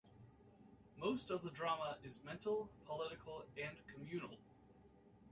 Most of the drama is mental, political, and communal.